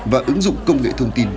và ứng dụng công nghệ thông tin